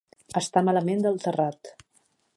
Estar malament del terrat.